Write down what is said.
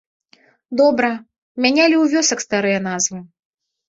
Добра, мянялі у вёсак старыя назвы.